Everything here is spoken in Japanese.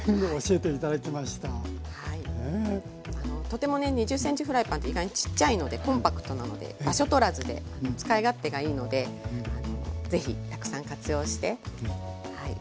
とてもね２０ｃｍフライパンって意外にちっちゃいのでコンパクトなので場所取らずで使い勝手がいいので是非たくさん活用してはい。